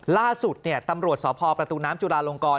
ล่าสุดตำรวจสพประตูน้ำจุลาลงกร